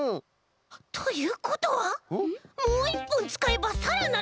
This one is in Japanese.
ということはもういっぽんつかえばさらなるかのうせいが！？